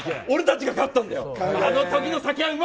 俺たちが勝ったんだよ。